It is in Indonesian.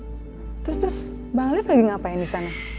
terus terus bang alif lagi ngapain disana